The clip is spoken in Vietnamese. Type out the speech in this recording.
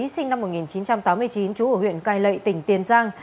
sinh năm một nghìn chín trăm tám mươi chín trú ở huyện cai lệ tỉnh tiền giang